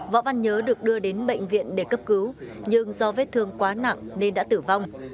võ văn nhớ được đưa đến bệnh viện để cấp cứu nhưng do vết thương quá nặng nên đã tử vong